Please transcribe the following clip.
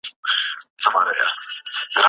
د نادر د مرګ وروسته څه پېښ سول؟